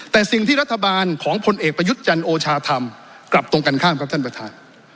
แต่สิ่งที่รัฐบาลของพลเอกประยุทธ์จันทร์โอชาทำกลับตรงกันข้ามครับท่านประธาน